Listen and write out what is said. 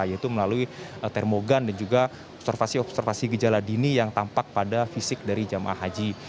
yaitu melalui termogan dan juga observasi observasi gejala dini yang tampak pada fisik dari jamaah haji